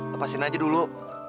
lepasin aja dulu